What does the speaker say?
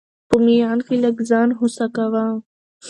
په ميان کي لږ ځان هوسا کوه!